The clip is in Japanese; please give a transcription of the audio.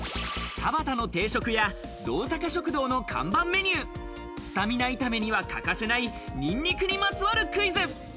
田端の定食屋・動坂食堂の看板メニュー、スタミナ炒めには欠かせないニンニクにまつわるクイズ。